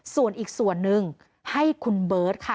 ส่วนอีกส่วนหนึ่งให้คุณเบิร์ตค่ะ